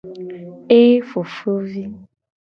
Ee fofovi.